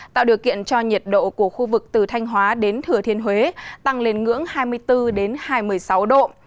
tạo điều kiện cho nhiệt độ của khu vực từ thanh hóa đến thừa thiên huế tăng lên ngưỡng hai mươi bốn hai mươi sáu độ